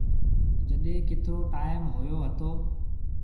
جڏي ڪيترو ٽيم هوئيو هتو۔